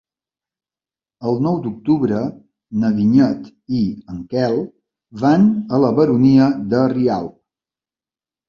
El nou d'octubre na Vinyet i en Quel van a la Baronia de Rialb.